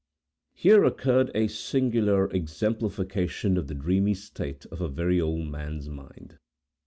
Here occurred a singular exemplification of the dreamy state of a very old man's mind.